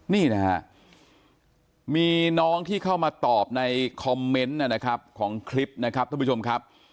นี่นะฮะมีน้องที่เข้ามาตอบในคอมเมนต์นะครับของคลิปนะครับท่านผู้ชมครับ